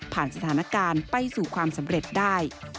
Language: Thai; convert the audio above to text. สถานการณ์ไปสู่ความสำเร็จได้